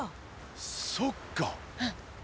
そっか！